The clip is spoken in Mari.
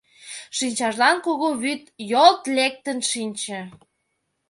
Шинчажлан кугу вӱд йолт лектын шинче.